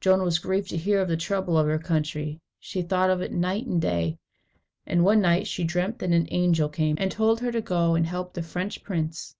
Joan was grieved to hear of the trouble of her country. She thought of it night and day, and one night she dreamt that an angel came, and told her to go and help the French prince.